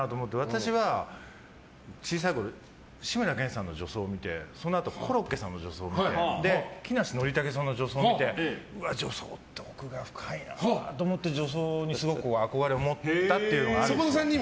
私は小さいころ志村けんさんの女装を見てそのあとコロッケさんの女装を見て木梨憲武さんの女装を見て女装って奥が深いなと思って女装にすごく憧れを持ったっていうのがあって。